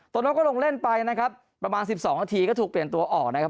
โน้ก็ลงเล่นไปนะครับประมาณ๑๒นาทีก็ถูกเปลี่ยนตัวออกนะครับ